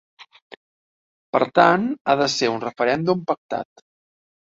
Per tant, ha de ser un referèndum pactat.